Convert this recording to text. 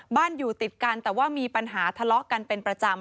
อยู่ติดกันแต่ว่ามีปัญหาทะเลาะกันเป็นประจำ